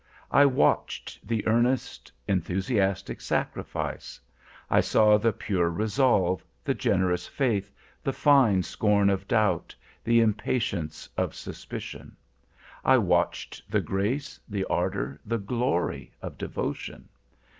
I watched the earnest, enthusiastic sacrifice. I saw the pure resolve, the generous faith, the fine scorn of doubt, the impatience of suspicion. I watched the grace, the ardor, the glory of devotion.